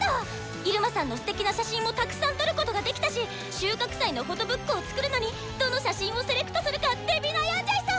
イルマさんのすてきな写真もたくさん撮ることができたし収穫祭のフォトブックを作るのにどの写真をセレクトするかデビ悩んじゃいそう！